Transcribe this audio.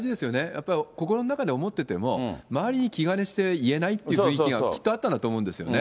やっぱり心の中で思ってても、周りに気兼ねして言えないっていう雰囲気が、きっとあったんだと思うんですよね。